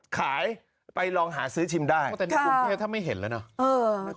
ขายไปลองหาซื้อชิมได้ถ้าไม่เห็นแล้วน่ะเออ